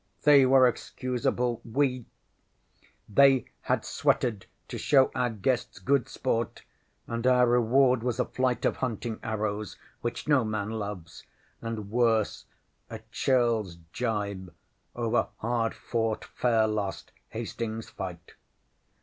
They were excusable! We they had sweated to show our guests good sport, and our reward was a flight of hunting arrows which no man loves, and worse, a churlŌĆÖs jibe over hard fought, fair lost Hastings fight.